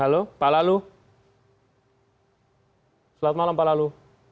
halo pak lalu selamat malam pak lalu